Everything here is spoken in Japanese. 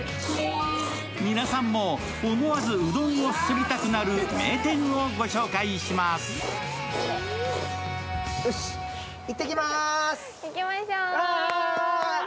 皆さんも思わずうどんをすすりたくなる名店をご紹介します。